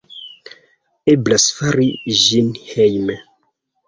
Eblas fari ĝin hejme.